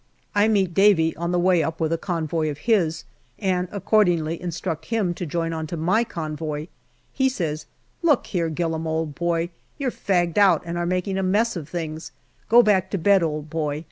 I meet Davy on the way up with a convoy of his, and accordingly instruct him to join on to my convoy. He says, " Look here, Gillam, old boy ; you're fagged out and are making a mess of things ; go back to bed, old boy.